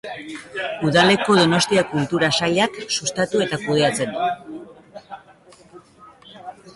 Udaleko Donostia Kultura sailak sustatu eta kudeatzen du.